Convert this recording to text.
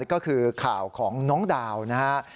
ก็คือข่าวของน้องดาวนะฮะ